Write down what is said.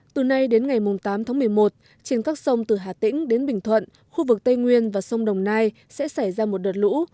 từ nay đến ngày tám tháng một mươi một trên các sông từ hà tĩnh đến bình thuận khu vực tây nguyên và sông đồng nai sẽ xảy ra một đợt lũ